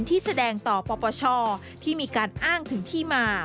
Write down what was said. ที่แสดงต่อปปชที่มีการอ้างถึงที่มา